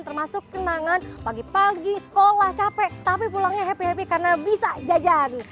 termasuk kenangan pagi pagi sekolah capek tapi pulangnya happy happy karena bisa jajan